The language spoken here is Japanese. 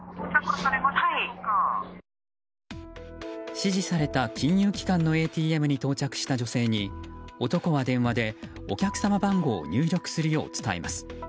指示された金融機関のＡＴＭに到着した女性に男は電話で、お客様番号を入力するよう伝えます。